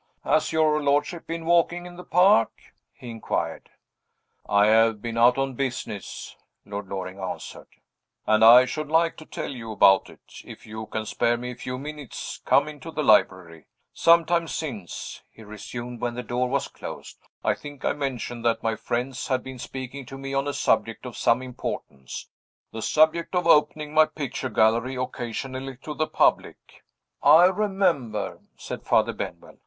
"Has your lordship been walking in the park?" he inquired. "I have been out on business," Lord Loring answered; "and I should like to tell you about it. If you can spare me a few minutes, come into the library. Some time since," he resumed, when the door was closed, "I think I mentioned that my friends had been speaking to me on a subject of some importance the subject of opening my picture gallery occasionally to the public." "I remember," said Father Benwell.